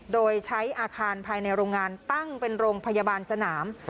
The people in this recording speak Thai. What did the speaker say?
โดยใช้อาคารภายในโรงงานตั้งเป็นโรงพยาบาลสนาม